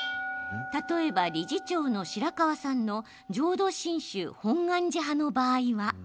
例えば、理事長の白川さんの浄土真宗本願寺派の場合は。